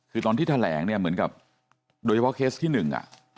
คือตอนที่แถลงเนี่ยเหมือนกับโดยเฉพาะเคสที่หนึ่งอ่ะ